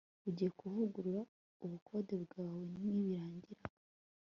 Ugiye kuvugurura ubukode bwawe nibirangira